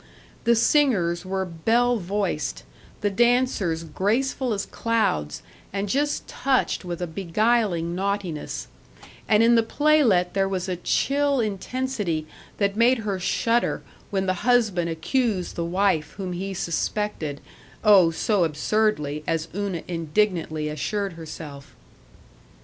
The singers were bell voiced; the dancers graceful as clouds, and just touched with a beguiling naughtiness; and in the playlet there was a chill intensity that made her shudder when the husband accused the wife whom he suspected, oh, so absurdly, as Una indignantly assured herself.